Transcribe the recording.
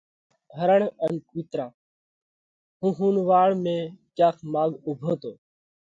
هرڻ ان ڪُوترا: هُون ۿُونَواڙ ۾ ڪياڪ ماڳ اُوڀو تو۔